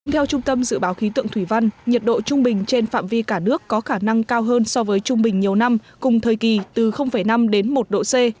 theo trung tâm dự báo khí tượng thủy văn nhiệt độ trung bình trên phạm vi cả nước có khả năng cao hơn so với trung bình nhiều năm cùng thời kỳ từ năm đến một độ c